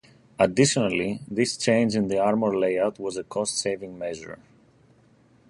Additionally, this change in the armour layout was a cost-saving measure.